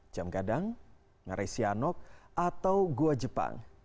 jamgadang ngarai sianok atau goa jepang